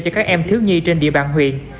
cho các em thiếu nhi trên địa bàn huyện